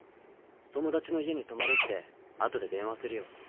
友達の家に泊まるって後で電話するよ。